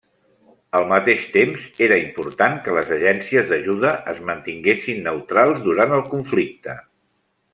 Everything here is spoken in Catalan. Al mateix temps, era important que les agències d'ajuda es mantinguessin neutrals durant el conflicte.